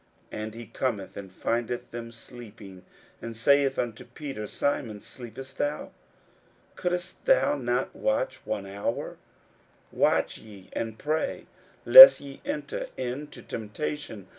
41:014:037 And he cometh, and findeth them sleeping, and saith unto Peter, Simon, sleepest thou? couldest not thou watch one hour? 41:014:038 Watch ye and pray, lest ye enter into temptation.